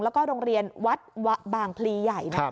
แล้วก็โรงเรียนวัดบางพลีใหญ่